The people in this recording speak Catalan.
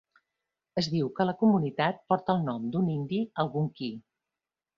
Es diu que la comunitat porta el nom d'un indi algonquí.